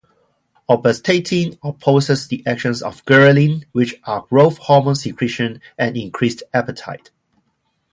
Obestatin opposes the actions of ghrelin which are growth hormone secretion and increased appetite.